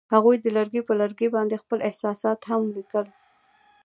هغوی د لرګی پر لرګي باندې خپل احساسات هم لیکل.